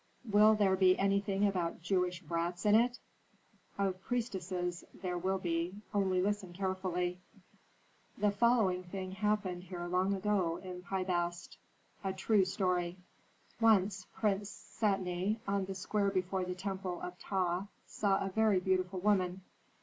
"Will there be anything about Jewish brats in it?" "Of priestesses there will be; only listen carefully. "The following thing happened here long ago, in Pi Bast: A true story. "Once Prince Satni, on the square before the temple of Ptah, saw a very beautiful woman.